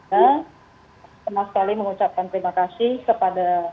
saya pernah sekali mengucapkan terima kasih kepada